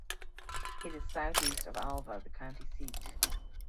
It is southeast of Alva, the county seat.